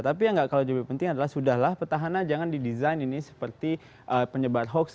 tapi yang nggak kalau lebih penting adalah sudahlah petahana jangan di design ini seperti penyebar hoaks